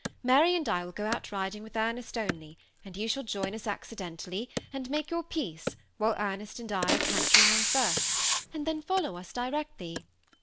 Mary and I will go out riding with Ernest only, and you shall join us accidentally, and make your peace while Ernest and I are cantering on first ; and then follow us directly.